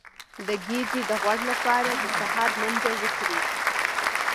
د ګیډې د غوړ لپاره د سهار منډه وکړئ